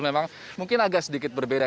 memang mungkin agak sedikit berbeda